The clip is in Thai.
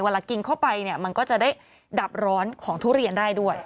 เวลากินเข้าไปเนี่ยมันก็จะได้ดับร้อนของทุเรียนได้ด้วย